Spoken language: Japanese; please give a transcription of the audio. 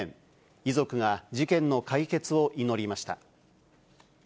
遺族が事件の解決を祈りました。